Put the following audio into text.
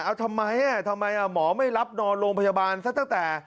เอาทำไมทำไมหมอไม่รับนอนโรงพยาบาลซะตั้งแต่